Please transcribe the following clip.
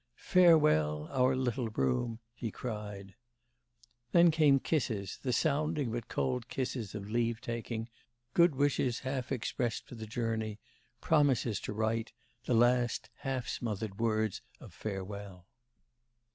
'Farewell, our little room!' he cried. Then came kisses, the sounding but cold kisses of leave taking, good wishes half expressed for the journey, promises to write, the last, half smothered words of farewell.